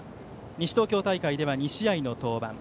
西東京大会では２試合の登板。